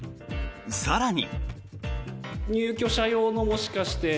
更に。